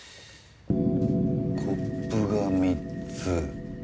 コップが３つ。